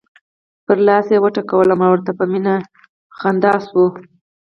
پر لاس یې وټکولم او راته په مینه مسکی شول.